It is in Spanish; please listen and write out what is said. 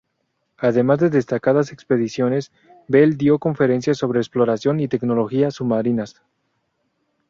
Además de destacadas expediciones, Bell dio conferencias sobre exploración y tecnología submarinas.